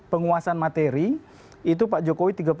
penguasaan materi itu pak jokowi